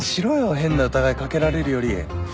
変な疑い掛けられるより。